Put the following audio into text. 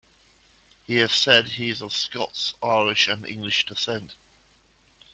He has said he is of Scots-Irish and English descent.